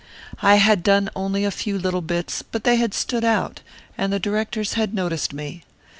I had done only a few little bits, but they had stood out, and the directors had noticed me.